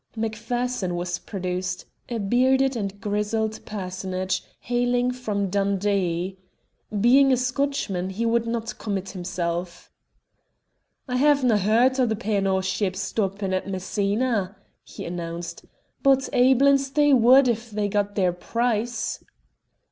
Macpherson was produced, a bearded and grizzled personage, hailing from Dundee. Being a Scotchman he would not commit himself. "I hav'na hear rd o' the P. and O. ships stoppin' at Messina," he announced, "but aiblins they wad if they got their price."